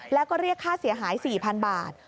แล้วก็เรียกค่าเสียหาย๔๐๐๐บาท